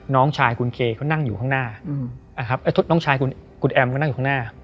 น้องชายคุณเคเขานั่งอยู่ข้างหน้านะครับน้องชายคุณแอมก็นั่งอยู่ข้างหน้า